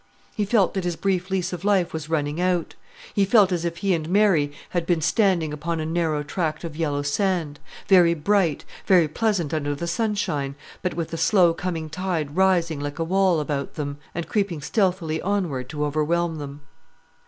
He felt that his brief lease of life was running out; he felt as if he and Mary had been standing upon a narrow tract of yellow sand; very bright, very pleasant under the sunshine; but with the slow coming tide rising like a wall about them, and creeping stealthily onward to overwhelm them.